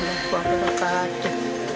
bapak bapak aja